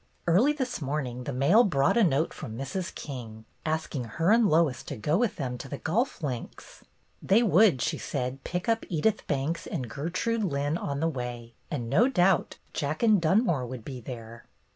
Early this morning the mail brought a note from Mrs. King, asking her and Lois to go with them to the golf links. They would, she said, pick up Edith Banks and Gertrude Lynn on the way, and no doubt Jack and Dunmore would be there.